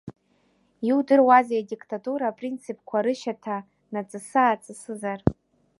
Иудыруази адиктатура апринципқәа рышьаҭа наҵысы-ааҵысызар?